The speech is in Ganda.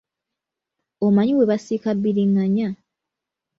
Omanyi bwe basiika bbiringanya?